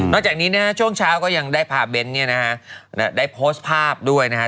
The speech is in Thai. จากนี้นะฮะช่วงเช้าก็ยังได้พาเบ้นเนี่ยนะฮะได้โพสต์ภาพด้วยนะฮะ